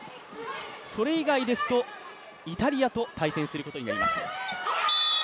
それ以外ですと、イタリアと対戦することになります。